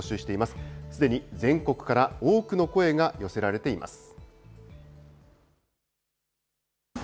すでに全国から多くの声が寄せられています。